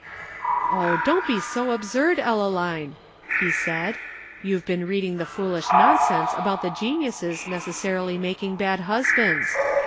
"Oh, don't be so absurd, Ellaline!" he said. "You've been reading the foolish nonsense about the geniuses necessarily making bad husbands.